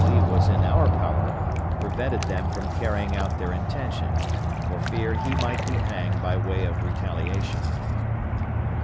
Lee was in our power prevented them from carrying out their intention for fear he might be hanged by way of retaliation.